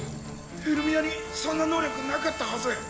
ヘルミアにそんな能力なかったはず。